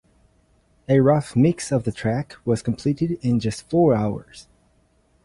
A rough mix of the track was completed in just four hours.